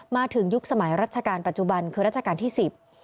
มาถึงยุคสมัยราชการปัจจุบันคือราชการที่๑๐